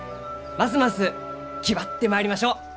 ますます気張ってまいりましょう！